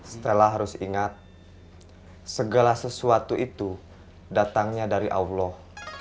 stella harus ingat segala sesuatu itu datangnya dari allah